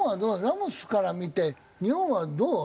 ラモスから見て日本はどう？